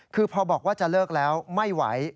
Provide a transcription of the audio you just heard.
คือพอบอกว่าจะเลิกแล้วไม่ไหว